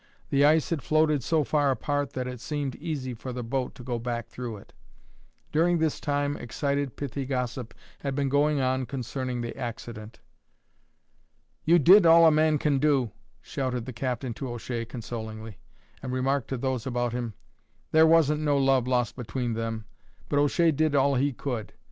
The ice had floated so far apart that it seemed easy for the boat to go back through it. During this time excited pithy gossip had been going on concerning the accident. "You did all a man could do," shouted the captain to O'Shea consolingly, and remarked to those about him: "There wasn't no love lost between them, but O'Shea did all he could.